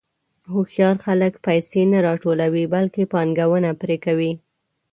هوښیار خلک پیسې نه راټولوي، بلکې پانګونه پرې کوي.